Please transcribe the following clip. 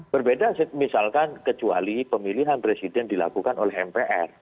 berbeda misalkan kecuali pemilihan presiden dilakukan oleh mpr